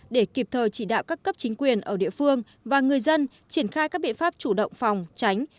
để kịp thời chỉ đạo các cấp chính quyền ở địa phương và người dân triển khai các biện pháp chủ động phòng tránh